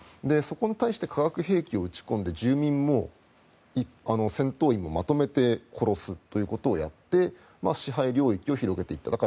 そこに対して化学兵器を撃ち込んで住民も戦闘員もまとめて殺すということをやって支配領域を広げていった。